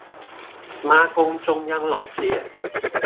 媽宮中央老街